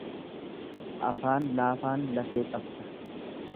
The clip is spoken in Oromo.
Afaan laafaan lafee cabsa.